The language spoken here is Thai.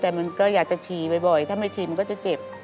แต่มันก็อยากจะฉี่บ่อยถ้าไม่ฉี่มันก็จะเจ็บ